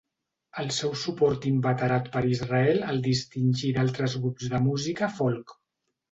El seu suport inveterat per Israel el distingí d'altres grups de música folk.